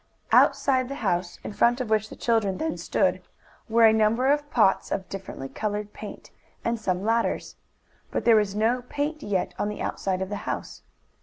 Outside the house, in front of which the children then stood, were a number of pots of differently colored paint, and some ladders. But there was no paint yet on the outside of the house.